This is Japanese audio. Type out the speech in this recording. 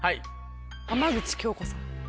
浜口京子さん。